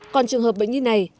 còn trường hợp bệnh nhi này